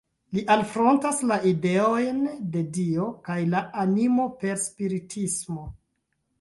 Li alfrontas la ideojn de Dio kaj la animo per spiritismo.